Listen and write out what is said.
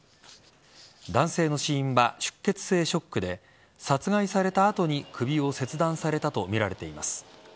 男性の死因は出血性ショックで殺害された後に首を切断されたとみられています。